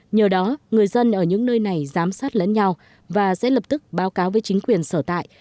nhờ đó người dân ở những nơi này giám sát lẫn nhau và sẽ lập tức báo cáo với chính quyền sở tại